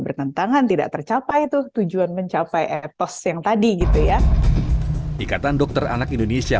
bertentangan tidak tercapai tuh tujuan mencapai etos yang tadi gitu ya ikatan dokter anak indonesia